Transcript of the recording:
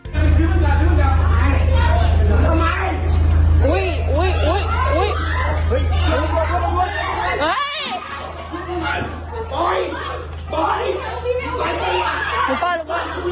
ไม่อยากให้ผมไปดูนะพี่หมายก็ไม่แรง